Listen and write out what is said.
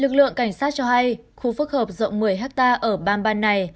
lực lượng cảnh sát cho hay khu phức hợp rộng một mươi hectare ở bang ban này